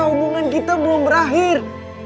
hubungan kita belum berakhir